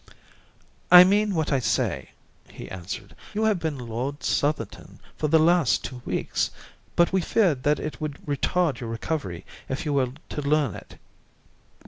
"I mean what I say," he answered. "You have been Lord Southerton for the last six weeks, but we feared that it would retard your recovery if you were to learn it."